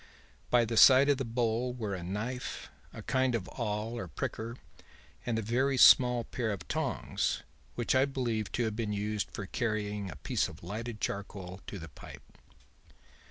By the side of the bowl were a knife, a kind of awl or pricker and a very small pair of tongs, which I believe to have been used for carrying a piece of lighted charcoal to the pipe.